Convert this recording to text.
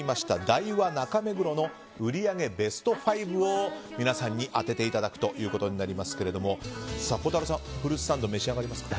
ダイワ中目黒の売り上げベスト５を皆さんに当てていただくということになりますが孝太郎さん、フルーツサンド召し上がりますか？